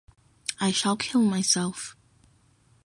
I shall kill myself.